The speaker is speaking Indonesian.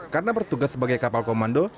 karena bertugas sebagai kapal komando